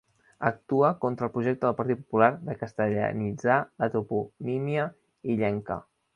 Actua contra el projecte del Partit Popular de castellanitzar la toponímia illenca.